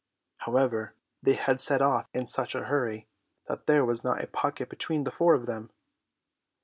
However, they had set off in such a hurry that there was not a pocket between the four of them.